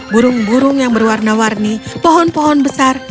burung burung yang berwarna warni pohon pohon besar